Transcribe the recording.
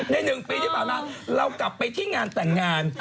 เนี่ย๑ปีที่ถามนะเรากลับไปที่งานแต่งงาน